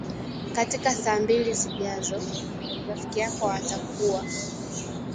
Katika saa mbili zijazo, rafiki yako atakuwa